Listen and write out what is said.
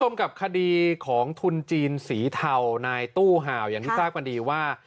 กับคดีของทุนจีนสีเทานายตู้ห่าวอย่างที่ทราบกันดีว่า